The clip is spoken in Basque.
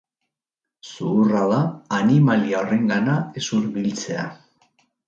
Zuhurra da animalia horrengana ez hurbiltzea.